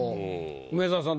梅沢さん